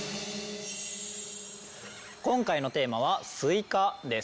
今回のテーマはスイカです。